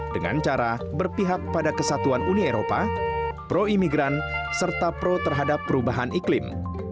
dengan cara berpihak pada kesatuan uni eropa pro imigran serta pro terhadap perubahan iklim